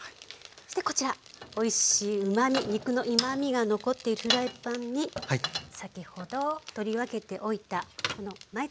そしてこちらおいしいうまみ肉のうまみが残っているフライパンに先ほど取り分けておいたこのまいたけ。